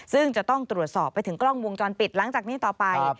ซึ่งจะต้องตรวจสอบไปถึงกล้องวงจรปิดหลังจากนี้ต่อไป